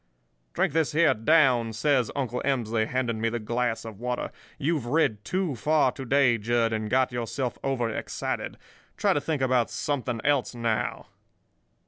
"'Drink this here down,' says Uncle Emsley, handing me the glass of water. 'You've rid too far to day, Jud, and got yourself over excited. Try to think about something else now.